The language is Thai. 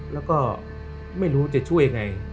แล้วก็ไม่รู้จะช่วยยังไง